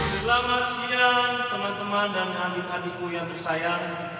selamat siang teman teman dan adik adikku yang tersayang